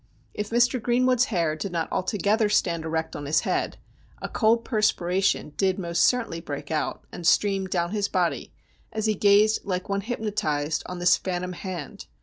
If Mr. Greenwood's hair did not altogether stand erect on his head, a cold perspiration did most certainly break out, and stream down his body, as he gazed like one hypnotised on this phantom hand.